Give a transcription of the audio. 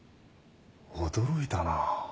驚いたなぁ。